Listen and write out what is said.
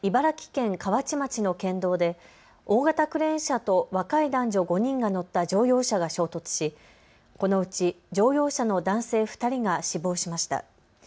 けさ、茨城県河内町の県道で大型クレーン車と若い男女５人が乗った乗用車が衝突しこのうち乗用車の男性２人が死亡しました。